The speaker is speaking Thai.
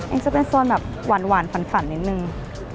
จะเป็นโซนแบบหวานฝันนิดนึง